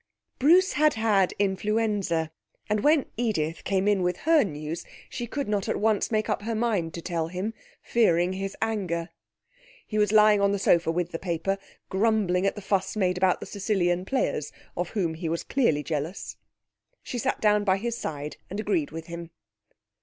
Bruce had had influenza, and when Edith came in with her news, she could not at once make up her mind to tell him, fearing his anger. He was lying on the sofa with the paper, grumbling at the fuss made about the Sicilian players, of whom he was clearly jealous. She sat down by his side and agreed with him.